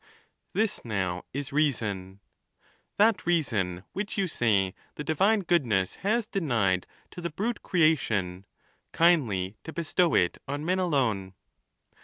This, now, is reason ; that reason which you say the di vine goodness has denied to the brute creation, kindly to bestow it on men alone.